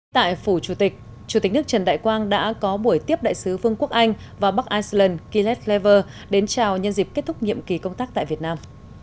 tại phủ chủ tịch chủ tịch nước trần đại quang đã có buổi tiếp đại sứ vương quốc anh và bắc iceland gillette lever đến chào nhân dịp kết thúc nhiệm kỳ công tác tại việt nam